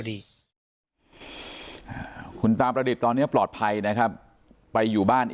ดีหงั้นตาประดิษฐ์ตอนนี้ปลอดภัยไปอยู่บ้านอีก